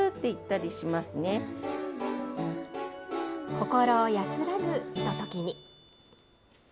心安らぐひとときに。